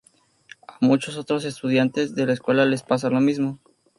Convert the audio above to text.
A muchos otros estudiantes de la escuela les pasa lo mismo.